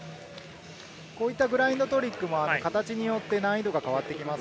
グラインドトリックも形によって難易度が変わってきます。